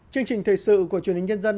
chương trình thời sự của truyền hình nhân dân